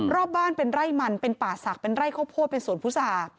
รอบบ้านเป็นไร่มันเป็นป่าศักดิ์เป็นไร่ข้าวโพดเป็นสวนพุษา